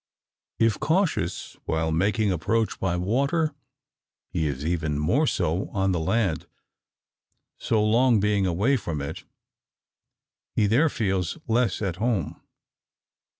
If cautious while making approach by water, he is even more so on the land; so long being away from it, he there feels less at home.